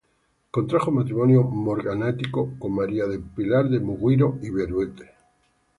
Contrajo matrimonio morganático con María del Pilar de Muguiro y Beruete.